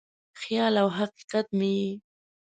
خیال او حقیقت مې یې